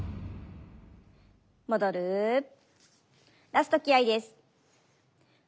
ラスト気合いです。